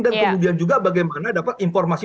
dan kemudian juga bagaimana dapat informasi